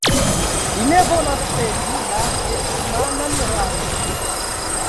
Li ne volas cedi la hetmanan rangon!